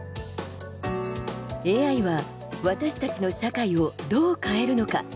ＡＩは、私たちの社会をどう変えるのか？